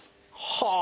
はあ！